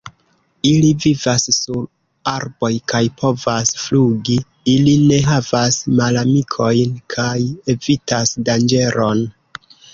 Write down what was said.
Ili vivas sur arboj kaj povas flugi, ili ne havas malamikojn kaj evitas danĝeron.